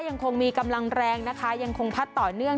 ยังคงมีกำลังแรงนะคะยังคงพัดต่อเนื่อง